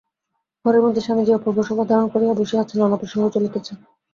ঘরের মধ্যে স্বামীজী অপূর্ব শোভা ধারণ করিয়া বসিয়া আছেন, নানা প্রসঙ্গ চলিতেছে।